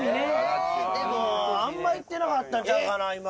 でもあんまいってなかったんちゃうかな今。